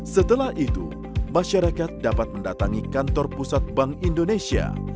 setelah itu masyarakat dapat mendatangi kantor pusat bank indonesia